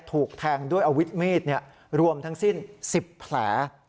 ถูกแทงด้วยอาวุธมีดรวมทั้งสิ้น๑๐แผล